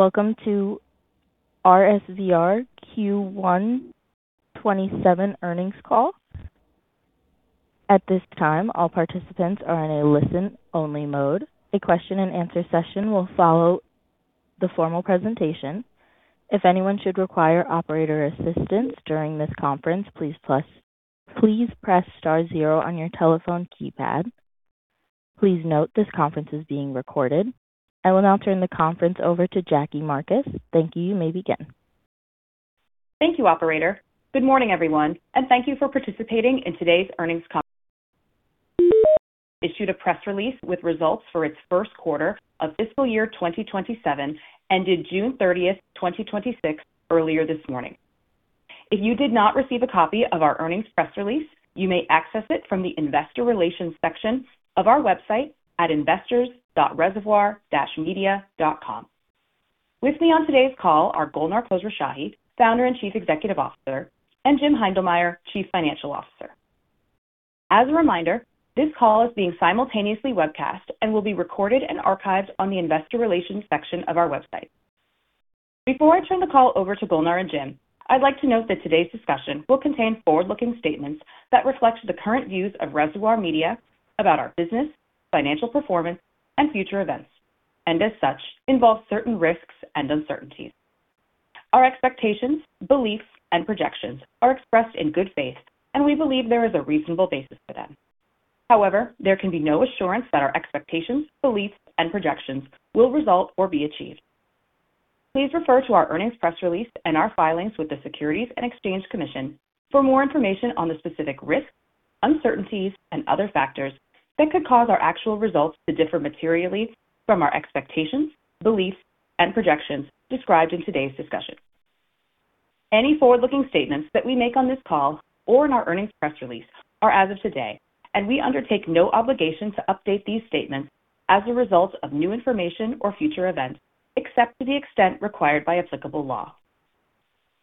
Welcome to RSVR Q1 2027 earnings call. At this time, all participants are in a listen-only mode. A question-and-answer session will follow the formal presentation. If anyone should require operator assistance during this conference, please press star zero on your telephone keypad. Please note this conference is being recorded. I will now turn the conference over to Jackie Marcus. Thank you. You may begin. Thank you, operator. Good morning, everyone, and thank you for participating in today's earnings call. Reservoir issued a press release with results for its first quarter of fiscal year 2027, ended June 30th, 2026, earlier this morning. If you did not receive a copy of our earnings press release, you may access it from the investor relations section of our website at investors.reservoir-media.com. With me on today's call are Golnar Khosrowshahi, Founder and Chief Executive Officer, and Jim Heindlmeyer, Chief Financial Officer. As a reminder, this call is being simultaneously webcast and will be recorded and archived on the investor relations section of our website. Before I turn the call over to Golnar and Jim, I'd like to note that today's discussion will contain forward-looking statements that reflect the current views of Reservoir Media about our business, financial performance, and future events, and as such, involve certain risks and uncertainties. Our expectations, beliefs, and projections are expressed in good faith, and we believe there is a reasonable basis for them. However, there can be no assurance that our expectations, beliefs, and projections will result or be achieved. Please refer to our earnings press release and our filings with the Securities and Exchange Commission for more information on the specific risks, uncertainties, and other factors that could cause our actual results to differ materially from our expectations, beliefs, and projections described in today's discussion. Any forward-looking statements that we make on this call or in our earnings press release are as of today, and we undertake no obligation to update these statements as a result of new information or future events, except to the extent required by applicable law.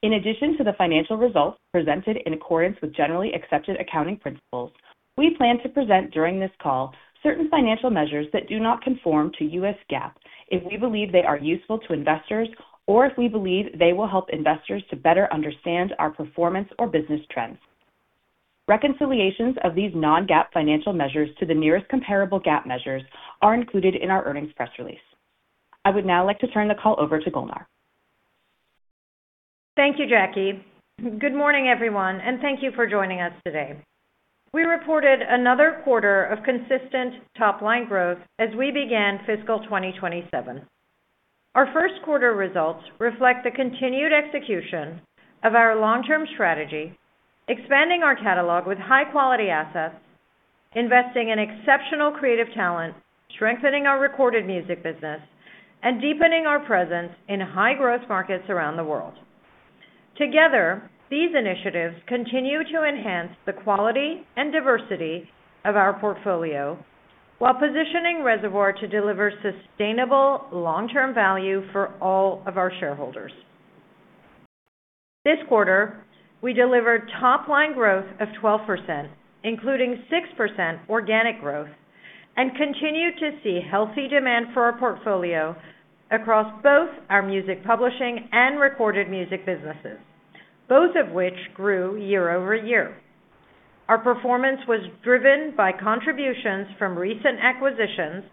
In addition to the financial results presented in accordance with generally accepted accounting principles, we plan to present during this call certain financial measures that do not conform to U.S. GAAP if we believe they are useful to investors or if we believe they will help investors to better understand our performance or business trends. Reconciliations of these non-GAAP financial measures to the nearest comparable GAAP measures are included in our earnings press release. I would now like to turn the call over to Golnar. Thank you, Jackie. Good morning, everyone, and thank you for joining us today. We reported another quarter of consistent top-line growth as we began fiscal 2027. Our first quarter results reflect the continued execution of our long-term strategy, expanding our catalog with high-quality assets, investing in exceptional creative talent, strengthening our recorded music business, and deepening our presence in high-growth markets around the world. Together, these initiatives continue to enhance the quality and diversity of our portfolio while positioning Reservoir to deliver sustainable long-term value for all of our shareholders. This quarter, we delivered top-line growth of 12%, including 6% organic growth, and continued to see healthy demand for our portfolio across both our music publishing and recorded music businesses, both of which grew year-over-year. Our performance was driven by contributions from recent acquisitions,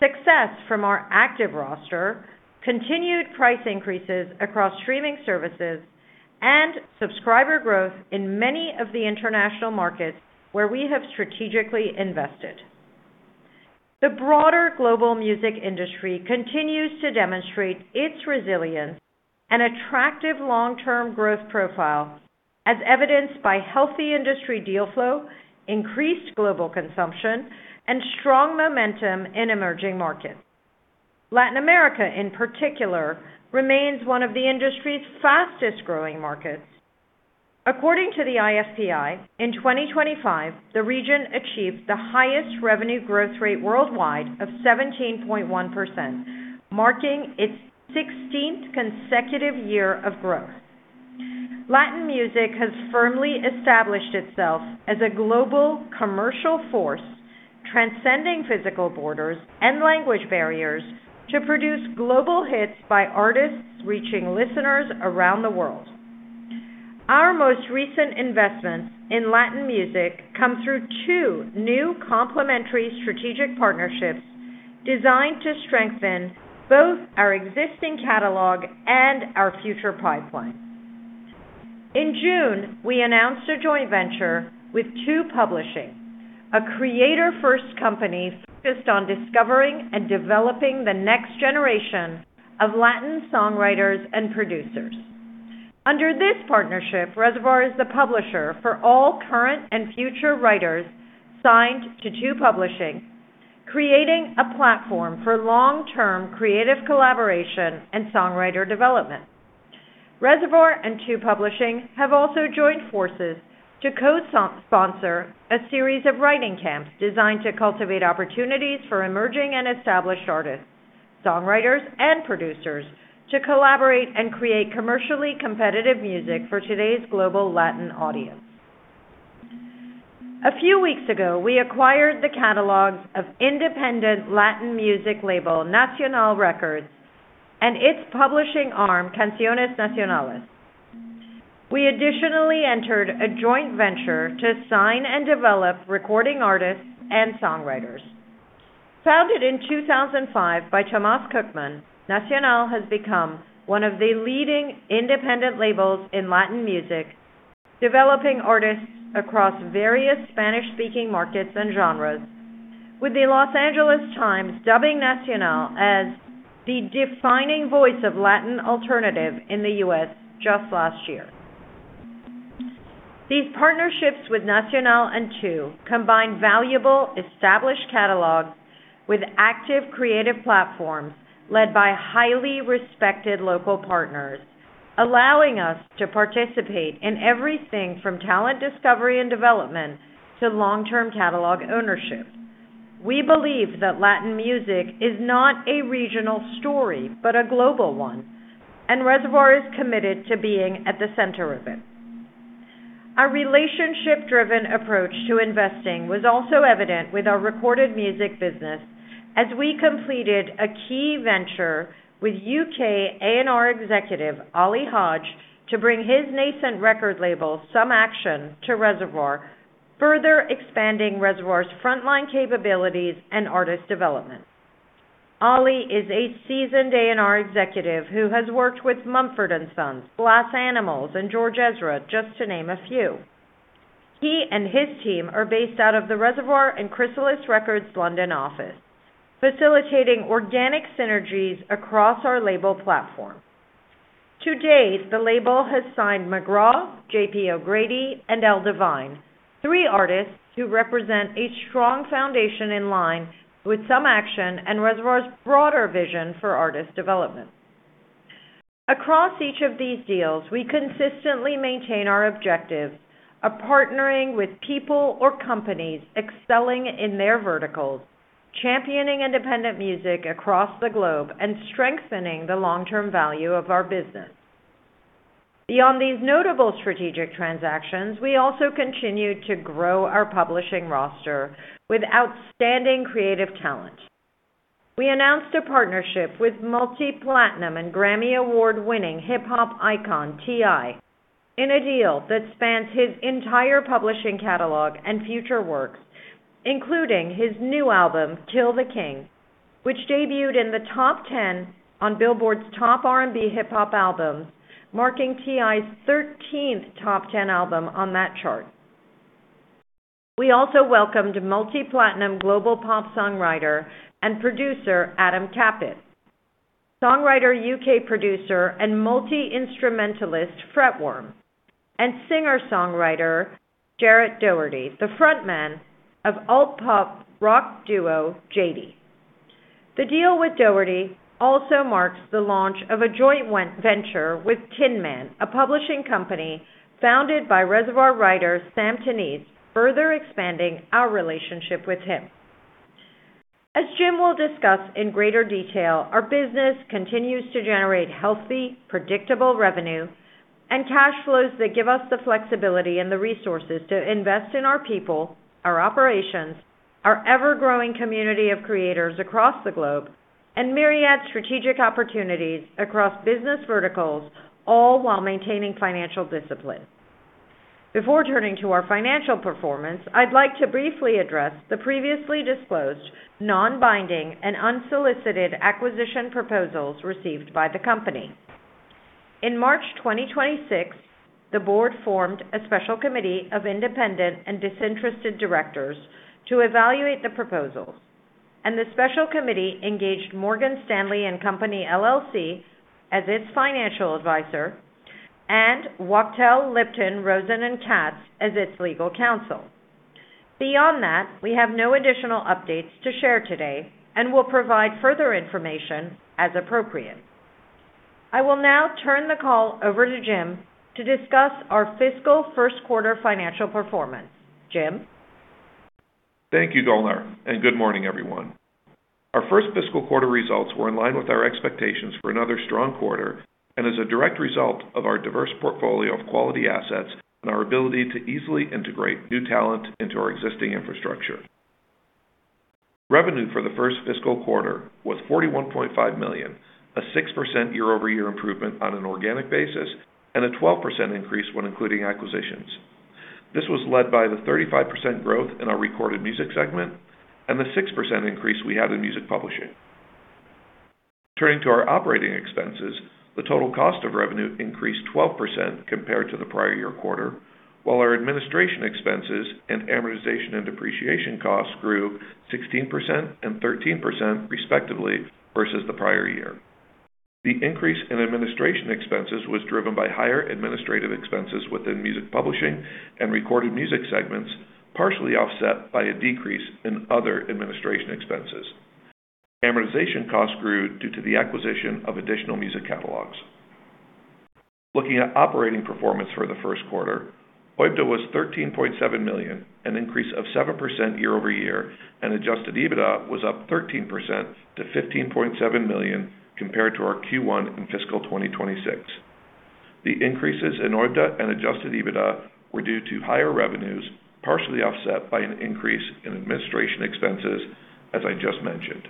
success from our active roster, continued price increases across streaming services, and subscriber growth in many of the international markets where we have strategically invested. The broader global music industry continues to demonstrate its resilience and attractive long-term growth profile as evidenced by healthy industry deal flow, increased global consumption, strong momentum in emerging markets. Latin America, in particular, remains one of the industry's fastest-growing markets. According to the IFPI, in 2025, the region achieved the highest revenue growth rate worldwide of 17.1%, marking its 16th consecutive year of growth. Latin music has firmly established itself as a global commercial force, transcending physical borders and language barriers to produce global hits by artists reaching listeners around the world. Our most recent investments in Latin music come through two new complementary strategic partnerships designed to strengthen both our existing catalog and our future pipeline. In June, we announced a joint venture with TU Publishing, a creator-first company focused on discovering and developing the next generation of Latin songwriters and producers. Under this partnership, Reservoir is the publisher for all current and future writers signed to TU Publishing, creating a platform for long-term creative collaboration and songwriter development. Reservoir and TU Publishing have also joined forces to co-sponsor a series of writing camps designed to cultivate opportunities for emerging and established artists, songwriters, and producers to collaborate and create commercially competitive music for today's global Latin audience. A few weeks ago, we acquired the catalogs of independent Latin music label, Nacional Records, and its publishing arm, Canciones Nacionales. We additionally entered a joint venture to sign and develop recording artists and songwriters. Founded in 2005 by Tomas Cookman, Nacional has become one of the leading independent labels in Latin music, developing artists across various Spanish-speaking markets and genres, with the Los Angeles Times dubbing Nacional as the defining voice of Latin alternative in the U.S. just last year. These partnerships with Nacional and TU combine valuable, established catalogs with active creative platforms led by highly respected local partners, allowing us to participate in everything from talent discovery and development to long-term catalog ownership. We believe that Latin music is not a regional story, but a global one, and Reservoir is committed to being at the center of it. Our relationship-driven approach to investing was also evident with our recorded music business as we completed a key venture with U.K. A&R executive Ollie Hodge to bring his nascent record label, Some Action, to Reservoir Media, further expanding Reservoir Media's frontline capabilities and artist development. Ollie is a seasoned A&R executive who has worked with Mumford & Sons, Glass Animals, and George Ezra, just to name a few. He and his team are based out of the Reservoir Media and Chrysalis Records London office, facilitating organic synergies across our label platform. To date, the label has signed McGrath, JP O'Grady, and L Devine, three artists who represent a strong foundation in line with Some Action and Reservoir Media's broader vision for artist development. Across each of these deals, we consistently maintain our objective of partnering with people or companies excelling in their verticals, championing independent music across the globe, and strengthening the long-term value of our business. Beyond these notable strategic transactions, we also continued to grow our publishing roster with outstanding creative talent. We announced a partnership with multi-platinum and Grammy Award-winning hip-hop icon T.I. in a deal that spans his entire publishing catalog and future works, including his new album, Kill the King, which debuted in the top 10 on Billboard's top R&B hip-hop albums, marking T.I.'s 13th top 10 album on that chart. We also welcomed multi-platinum global pop songwriter and producer Adam Kapit, songwriter, U.K. producer, and multi-instrumentalist Fretworm, and singer-songwriter Jarrett Doherty, the frontman of alt-pop rock duo Jady. The deal with Doherty also marks the launch of a joint venture with Tinman, a publishing company founded by Reservoir Media writer Sam Tinnesz, further expanding our relationship with him. As Jim will discuss in greater detail, our business continues to generate healthy, predictable revenue and cash flows that give us the flexibility and the resources to invest in our people, our operations, our ever-growing community of creators across the globe, and myriad strategic opportunities across business verticals, all while maintaining financial discipline. Before turning to our financial performance, I'd like to briefly address the previously disclosed non-binding and unsolicited acquisition proposals received by the company. In March 2026, the board formed a special committee of independent and disinterested directors to evaluate the proposals, and the special committee engaged Morgan Stanley & Co. LLC as its financial advisor and Wachtell, Lipton, Rosen & Katz as its legal counsel. Beyond that, we have no additional updates to share today and will provide further information as appropriate. I will now turn the call over to Jim to discuss our fiscal first quarter financial performance. Jim? Thank you, Golnar, and good morning, everyone. Our first fiscal quarter results were in line with our expectations for another strong quarter and as a direct result of our diverse portfolio of quality assets and our ability to easily integrate new talent into our existing infrastructure. Revenue for the first fiscal quarter was $41.5 million, a 6% year-over-year improvement on an organic basis, and a 12% increase when including acquisitions. This was led by the 35% growth in our recorded music segment and the 6% increase we had in music publishing. Turning to our operating expenses, the total cost of revenue increased 12% compared to the prior year quarter, while our administration expenses and amortization and depreciation costs grew 16% and 13%, respectively, versus the prior year. The increase in administration expenses was driven by higher administrative expenses within music publishing and recorded music segments, partially offset by a decrease in other administration expenses. Amortization costs grew due to the acquisition of additional music catalogs. Looking at operating performance for the first quarter, OIBDA was $13.7 million, an increase of 7% year-over-year, and adjusted EBITDA was up 13% to $15.7 million compared to our Q1 in fiscal 2026. The increases in OIBDA and adjusted EBITDA were due to higher revenues, partially offset by an increase in administration expenses, as I just mentioned.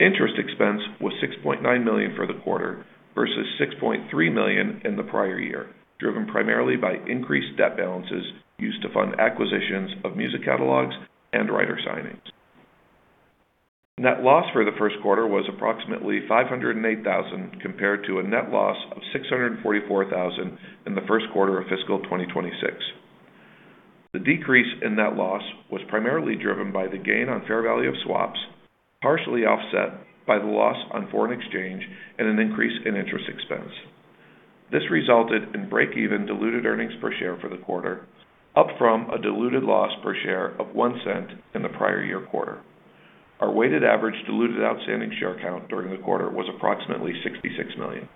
Interest expense was $6.9 million for the quarter versus $6.3 million in the prior year, driven primarily by increased debt balances used to fund acquisitions of music catalogs and writer signings. Net loss for the first quarter was approximately $508,000 compared to a net loss of $644,000 in the first quarter of fiscal 2026. The decrease in net loss was primarily driven by the gain on fair value of swaps, partially offset by the loss on foreign exchange and an increase in interest expense. This resulted in break even diluted earnings per share for the quarter, up from a diluted loss per share of $0.01 in the prior year quarter. Our weighted average diluted outstanding share count during the quarter was approximately $66 million.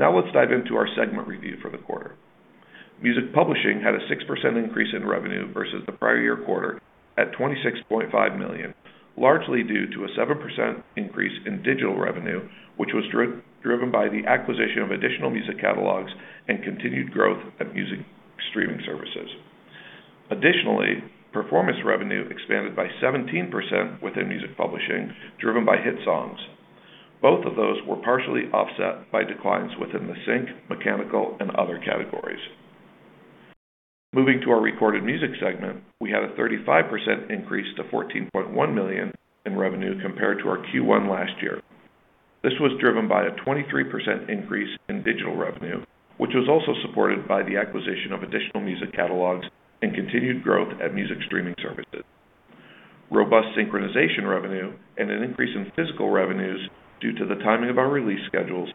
Now let's dive into our segment review for the quarter. Music publishing had a 6% increase in revenue versus the prior year quarter at $26.5 million, largely due to a 7% increase in digital revenue, which was driven by the acquisition of additional music catalogs and continued growth of music streaming services. Additionally, performance revenue expanded by 17% within music publishing, driven by hit songs. Both of those were partially offset by declines within the sync, mechanical, and other categories. Moving to our recorded music segment, we had a 35% increase to $14.1 million in revenue compared to our Q1 last year. This was driven by a 23% increase in digital revenue, which was also supported by the acquisition of additional music catalogs and continued growth at music streaming services. Robust synchronization revenue and an increase in physical revenues due to the timing of our release schedules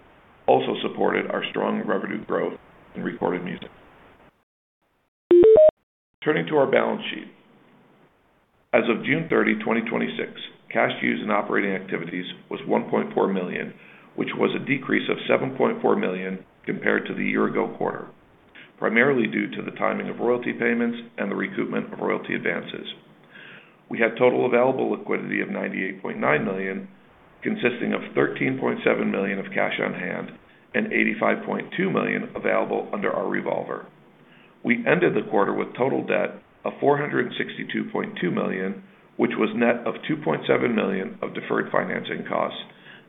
also supported our strong revenue growth in recorded music. Turning to our balance sheet. As of June 30, 2026, cash used in operating activities was $1.4 million, which was a decrease of $7.4 million compared to the year-ago quarter, primarily due to the timing of royalty payments and the recoupment of royalty advances. We had total available liquidity of $98.9 million, consisting of $13.7 million of cash on hand and $85.2 million available under our revolver. We ended the quarter with total debt of $462.2 million, which was net of $2.7 million of deferred financing costs,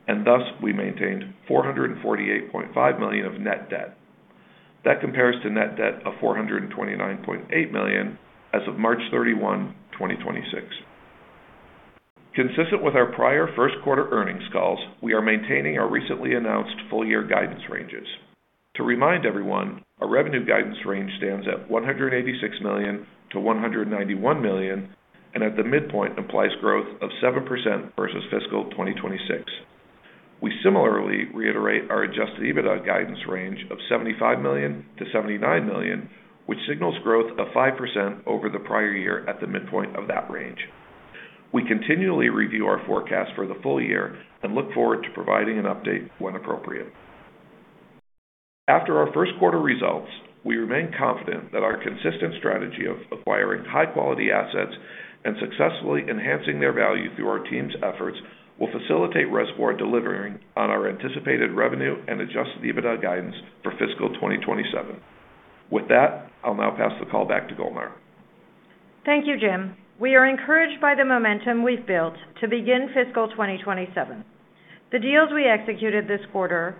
and thus we maintained $448.5 million of net debt. That compares to net debt of $429.8 million as of March 31, 2026. Consistent with our prior first quarter earnings calls, we are maintaining our recently announced full-year guidance ranges. To remind everyone, our revenue guidance range stands at $186 million-$191 million and at the midpoint implies growth of 7% versus fiscal 2026. We similarly reiterate our adjusted EBITDA guidance range of $75 million-$79 million, which signals growth of 5% over the prior year at the midpoint of that range. We continually review our forecast for the full year and look forward to providing an update when appropriate. After our first quarter results, we remain confident that our consistent strategy of acquiring high-quality assets and successfully enhancing their value through our team's efforts will facilitate Reservoir delivering on our anticipated revenue and adjusted EBITDA guidance for fiscal 2027. With that, I'll now pass the call back to Golnar. Thank you, Jim. We are encouraged by the momentum we've built to begin fiscal 2027. The deals we executed this quarter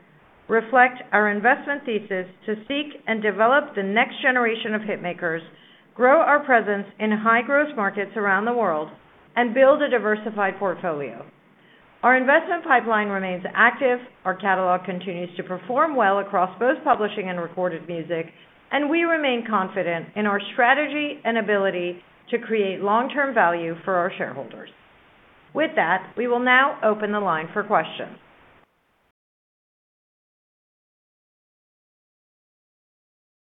reflect our investment thesis to seek and develop the next generation of hitmakers, grow our presence in high-growth markets around the world, and build a diversified portfolio. Our investment pipeline remains active, our catalog continues to perform well across both publishing and recorded music, and we remain confident in our strategy and ability to create long-term value for our shareholders. With that, we will now open the line for questions.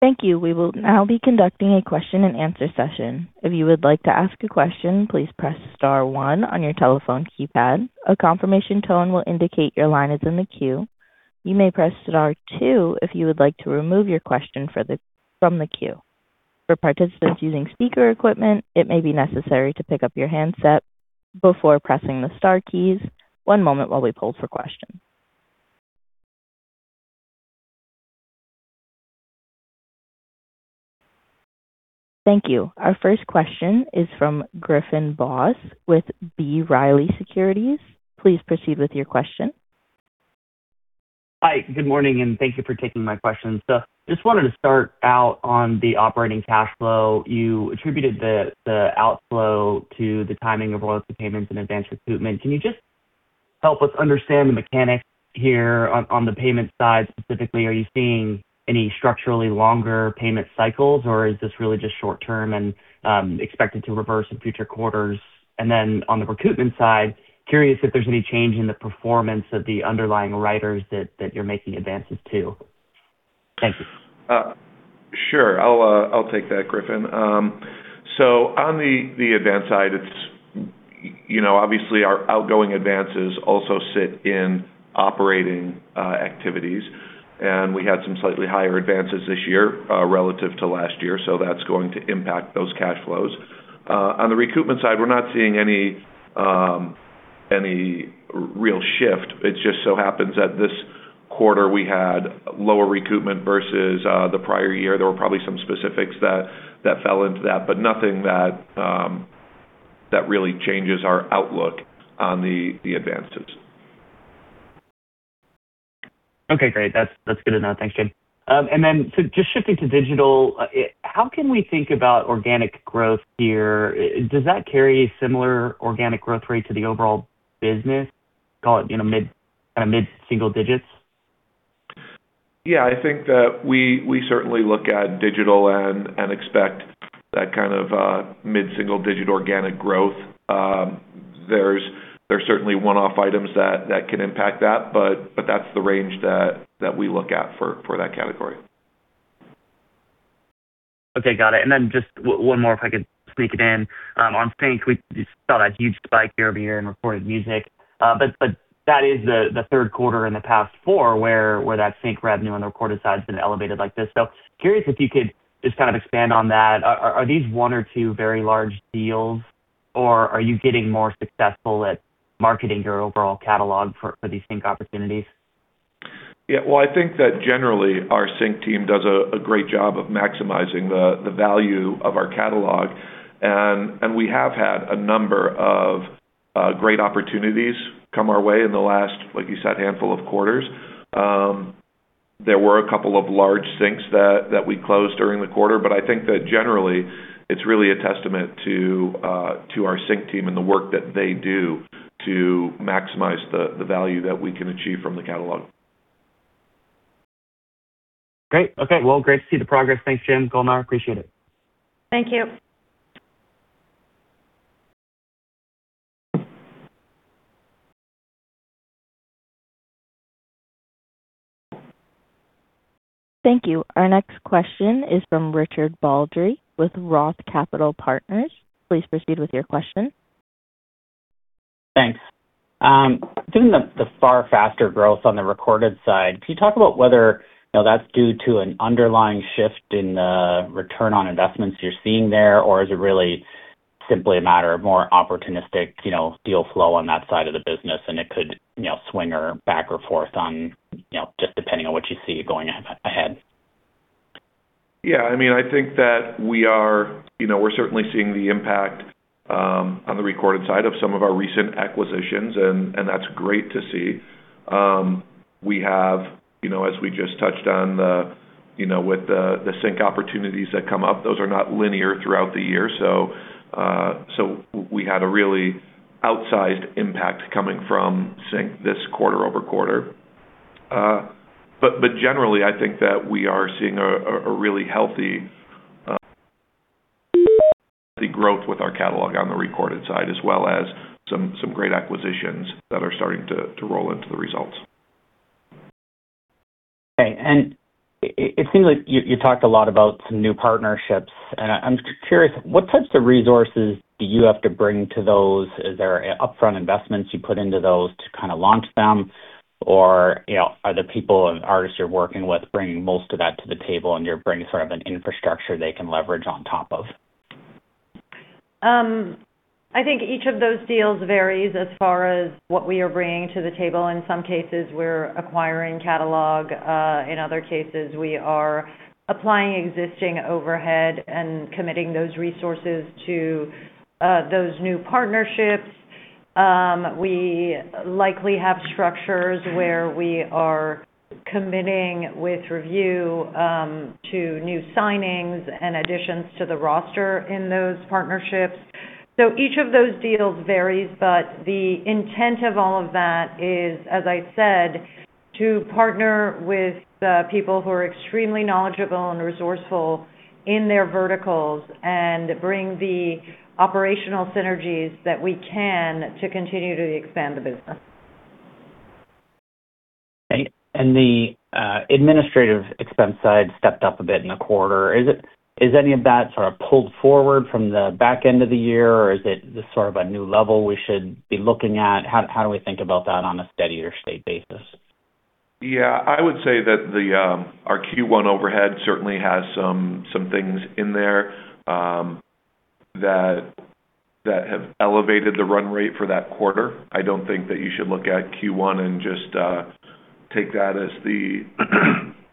Thank you. We will now be conducting a question-and-answer session. If you would like to ask a question, please press star one on your telephone keypad. A confirmation tone will indicate your line is in the queue. You may press star two if you would like to remove your question from the queue. For participants using speaker equipment, it may be necessary to pick up your handset before pressing the star keys. One moment while we pull for questions. Thank you. Our first question is from Griffin Boss with B. Riley Securities. Please proceed with your question. Hi, good morning, and thank you for taking my question. Just wanted to start out on the operating cash flow. You attributed the outflow to the timing of royalty payments and advance recoupment. Can you just help us understand the mechanics here on the payment side? Specifically, are you seeing any structurally longer payment cycles, or is this really just short-term and expected to reverse in future quarters? On the recoupment side, curious if there's any change in the performance of the underlying writers that you're making advances to. Thank you. Sure. I'll take that, Griffin. On the advance side, obviously, our outgoing advances also sit in operating activities, and we had some slightly higher advances this year relative to last year, that's going to impact those cash flows. On the recoupment side, we're not seeing any real shift. It just so happens that this quarter, we had lower recoupment versus the prior year. There were probably some specifics that fell into that, but nothing that really changes our outlook on the advances. Okay, great. That's good to know. Thanks, Jim. Just shifting to digital, how can we think about organic growth here? Does that carry a similar organic growth rate to the overall business, call it mid-single-digits? I think that we certainly look at digital and expect that kind of mid-single digit organic growth. There's certainly one-off items that can impact that, but that's the range that we look at for that category. Okay, got it. Just one more if I could sneak it in. On sync, we saw that huge spike year-over-year in recorded music. That is the third quarter in the past four where that sync revenue on the recorded side has been elevated like this. Curious if you could just expand on that. Are these one or two very large deals, or are you getting more successful at marketing your overall catalog for these sync opportunities? Yeah. Well, I think that generally our sync team does a great job of maximizing the value of our catalog. We have had a number of great opportunities come our way in the last, like you said, handful of quarters. There were a couple of large syncs that we closed during the quarter, I think that generally it's really a testament to our sync team and the work that they do to maximize the value that we can achieve from the catalog. Great. Okay. Well, great to see the progress. Thanks, Jim, Golnar. Appreciate it. Thank you. Thank you. Our next question is from Richard Baldry with Roth Capital Partners. Please proceed with your question. Thanks. Given the far faster growth on the recorded side, can you talk about whether that's due to an underlying shift in the return on investments you're seeing there, or is it really simply a matter of more opportunistic deal flow on that side of the business and it could swing back or forth on just depending on what you see going ahead? I think that we're certainly seeing the impact on the recorded side of some of our recent acquisitions, and that's great to see. As we just touched on with the sync opportunities that come up, those are not linear throughout the year. We had a really outsized impact coming from sync this quarter-over-quarter. Generally, I think that we are seeing a really healthy growth with our catalog on the recorded side, as well as some great acquisitions that are starting to roll into the results. Okay. It seems like you talked a lot about some new partnerships, and I'm curious what types of resources do you have to bring to those? Is there upfront investments you put into those to launch them, or are the people and artists you're working with bringing most of that to the table and you're bringing sort of an infrastructure they can leverage on top of? I think each of those deals varies as far as what we are bringing to the table. In some cases, we're acquiring catalog. In other cases, we are applying existing overhead and committing those resources to those new partnerships. We likely have structures where we are committing with review to new signings and additions to the roster in those partnerships. Each of those deals varies, but the intent of all of that is, as I said, to partner with the people who are extremely knowledgeable and resourceful in their verticals and bring the operational synergies that we can to continue to expand the business. Okay. The administrative expense side stepped up a bit in the quarter. Is any of that sort of pulled forward from the back end of the year, or is it just sort of a new level we should be looking at? How do we think about that on a steadier state basis? I would say that our Q1 overhead certainly has some things in there that have elevated the run rate for that quarter. I don't think that you should look at Q1 and just take that as the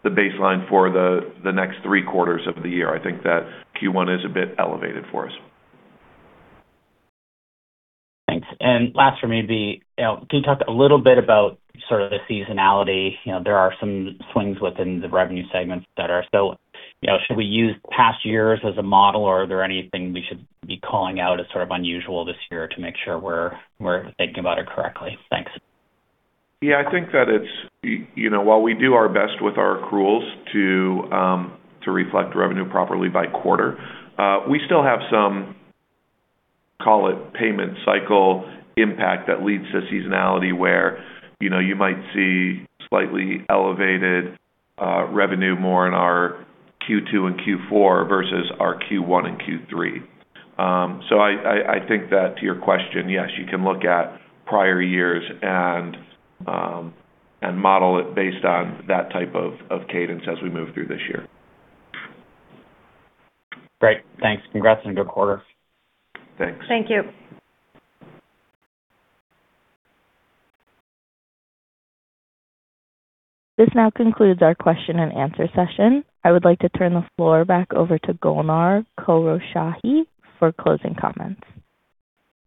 baseline for the next three quarters of the year. I think that Q1 is a bit elevated for us. Thanks. Last for me, can you talk a little bit about sort of the seasonality? There are some swings within the revenue segments. Should we use past years as a model, or are there anything we should be calling out as sort of unusual this year to make sure we're thinking about it correctly? Thanks. Yeah, I think that while we do our best with our accruals to reflect revenue properly by quarter, we still have some, call it payment cycle impact that leads to seasonality where you might see slightly elevated revenue more in our Q2 and Q4 versus our Q1 and Q3. I think that to your question, yes, you can look at prior years and model it based on that type of cadence as we move through this year. Great. Thanks. Congrats on a good quarter. Thanks. Thank you. This now concludes our question-and-answer session. I would like to turn the floor back over to Golnar Khosrowshahi for closing comments.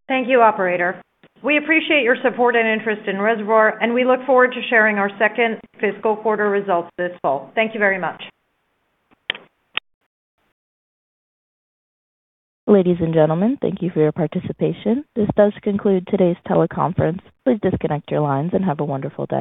Thank you, operator. We appreciate your support and interest in Reservoir, and we look forward to sharing our second fiscal quarter results this fall. Thank you very much. Ladies and gentlemen, thank you for your participation. This does conclude today's teleconference. Please disconnect your lines and have a wonderful day.